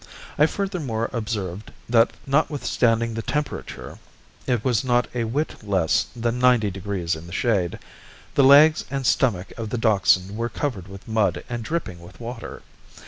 I furthermore observed that notwithstanding the temperature it was not a whit less than ninety degrees in the shade the legs and stomach of the dachshund were covered with mud and dripping with water.